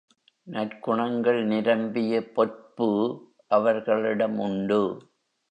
நற்குணங்கள் நிரம்பிய பொற்பு அவர்களிடம் உண்டு.